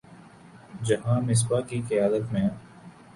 جہاں مصباح کی قیادت میں